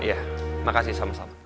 ya makasih sama sama